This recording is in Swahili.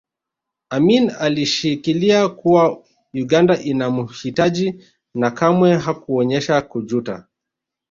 Amin alishikilia kuwa Uganda inamuhitaji na kamwe hakuonyesha kujuta